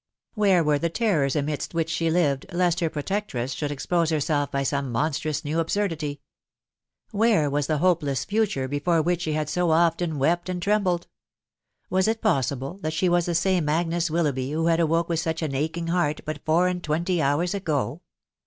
Where were the terrors amidst which she lived, lest Her protectress should expose herself by some monstrous, nev* &\*mxdity ? Where was the hopeless future, before whwh &e VaA so oixea ^\X «*& THE WIDOW BARNABY. 401 trembled? Was it possible that she was the same Agnes Wflloughby who had awoke with such an aching heart, but four and twenty hour* ago